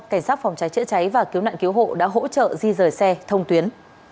cảnh sát phòng cháy chữa cháy và cứu nạn cứu hộ đã hỗ trợ di rời xe thông tuyến